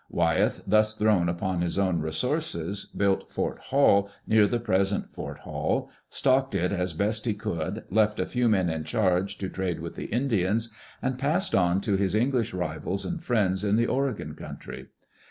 Wyeth, thus thrown upon his own re sources, built Fort Hall, near the present Fort Hall, stocked it as best he could, left a few men in charge to trade with the Indians, and passed on to his English rivals and friends in the Oregon country.